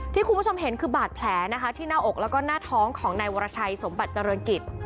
ที่คุณผู้ชมเห็นคือบาดแผลนะคะที่หน้าอกแล้วก็หน้าท้องของนายวรชัยสมบัติเจริญกิจ